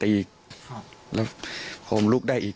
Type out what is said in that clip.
ทั้งอีกผมลูกได้อีก